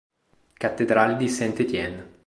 Cattedrale di Saint-Étienne